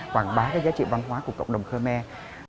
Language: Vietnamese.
quảng bá cái giá trị văn hóa của cộng đồng khmer